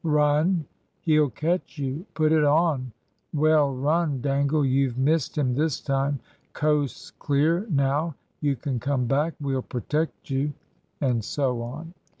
Run he'll catch you! Put it on, well run, Dangle, you've missed him this time. Coast's clear, now; you can come back. We'll protect you," and so on.